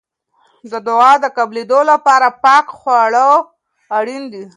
د دعا د قبلېدو لپاره پاکه خواړه اړین دي.